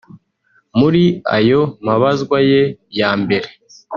muri ayo mabazwa ye ya mbere